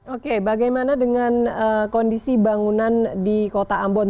oke bagaimana dengan kondisi bangunan di kota ambon